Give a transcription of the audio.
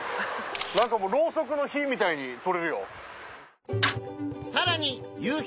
何かもうろうそくの火みたいに撮れるよ。